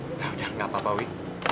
nah udah gak apa apa wi